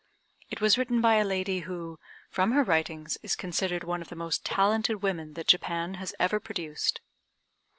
It was written by a lady, who, from her writings, is considered one of the most talented women that Japan has ever produced.